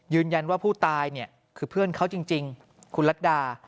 ยืนยันว่าผู้ตายเนี่ยคือเพื่อนเขาจริงคุณรัฐดา